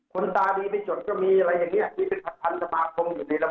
คนตาดีไปจดก็มีอะไรอย่างนี้ที่เป็นผัดพันธ์สมาคมอยู่ในระบบ